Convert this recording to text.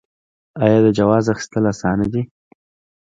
آیا د جواز اخیستل اسانه دي؟